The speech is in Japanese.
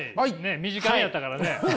短めやったからね。